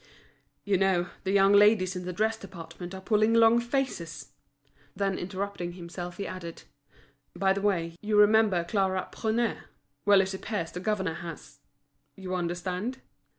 "You know, the young ladies in the dress department are pulling long faces!" Then, interrupting himself, he added: "By the way, you remember Clara Prunaire? Well, it appears the governor has—You understand?"